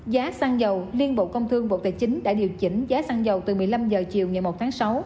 giá xăng dầu liên bộ công thương bộ tài chính đã điều chỉnh giá xăng dầu từ một mươi năm h chiều ngày một tháng sáu